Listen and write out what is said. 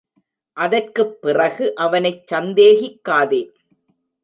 அதற்குப் பிறகு அவனைச் சந்தேகிக்காதே.